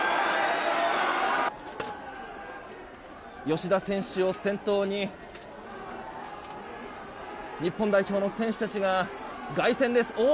吉田選手を先頭に日本代表の選手たちが凱旋です。